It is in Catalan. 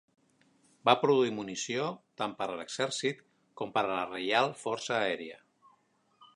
Va produir munició tant per a l'Exèrcit com per a la Reial Força Aèria.